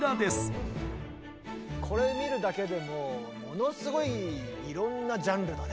これ見るだけでもものすごいいろんなジャンルだね。